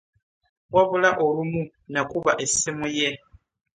Wabula olumu nakuba essimu ye.